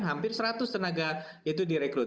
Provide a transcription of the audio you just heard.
hampir seratus tenaga itu direkrut